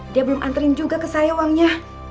dia belum antren juga ke saya uangnya